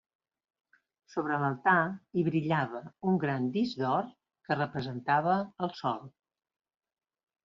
Sobre l'altar, hi brillava un gran disc d'or, que representava el Sol.